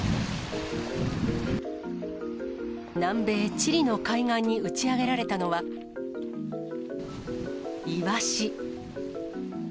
南米チリの海岸に打ち上げられたのは、イワシ。